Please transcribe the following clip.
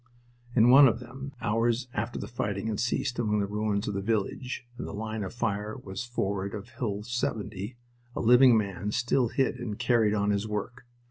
In one of them, hours after the fighting had ceased among the ruins of the village, and the line of fire was forward of Hill 70, a living man still hid and carried on his work.